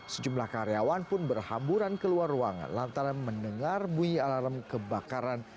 sejumlah karyawan pun berhamburan keluar ruangan lantaran mendengar bunyi alarm kebakaran